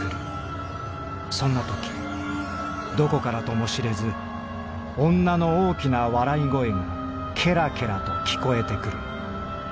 そんなときどこからとも知れず女の大きな笑い声が『ケラケラ』と聞こえて来る。